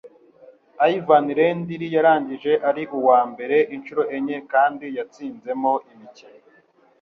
Ivan Lendl yarangije ari uwa mbere inshuro enye kandi yatsinze imikino